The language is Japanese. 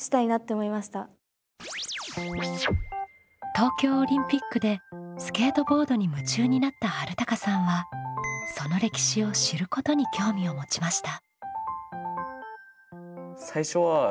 東京オリンピックでスケートボードに夢中になったはるたかさんはその歴史を「知る」ことに興味を持ちました。